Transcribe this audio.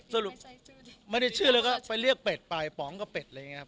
สรุปไม่ได้ชื่อเลยก็เรียกเป็ดไปป๋องก็เป็ดเลย